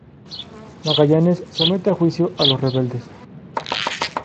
Magallanes somete a juicio a los rebeldes.